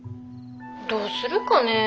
☎どうするかね。